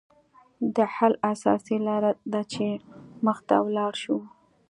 د حل اساسي لاره داده چې مخ ته ولاړ شو